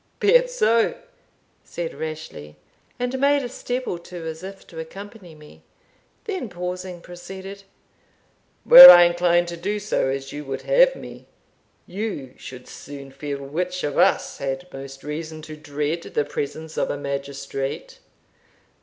"Be it so," said Rashleigh, and made a step or two as if to accompany me; then pausing, proceeded "Were I inclined to do so as you would have me, you should soon feel which of us had most reason to dread the presence of a magistrate.